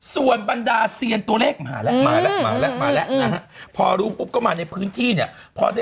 ส่วนบรรดาเวียวตัวเล็กมาแล้ว